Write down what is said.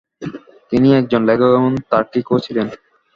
তিনি একজন লেখক এবং তার্কিকও ছিলেন।